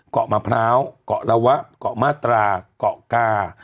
เกาะมะพร้าวเกาะละวะเกาะมาตราเกาะกา